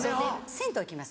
銭湯へ行きます。